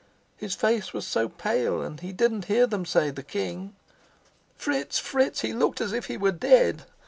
His face was so pale, and he didn't hear them say 'the king.' Fritz, Fritz, he looked as if he were dead!